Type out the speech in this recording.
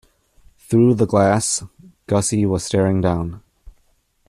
Through the glass, Gussie was staring down.